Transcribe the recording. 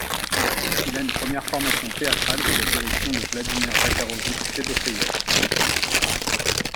Il a une première formation théâtrale sous la direction de Vladimir Zakharovitch Fedosseïev.